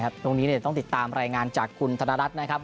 ตรงนี้ต้องติดตามรายงานจากคุณธนรัฐนะครับ